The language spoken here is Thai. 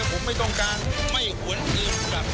กำลังไปไหนเมาเนี้ยไปฮ่อยโหนจนพี่งานที่ไหนมาครับ